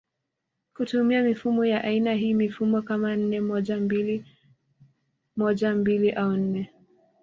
kutumia mifumo ya aina hii mifumo kama nne moja mbili moja mbili au nne